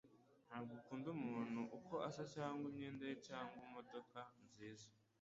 Ntabwo ukunda umuntu uko asa, cyangwa imyenda ye cyangwa imodoka nziza,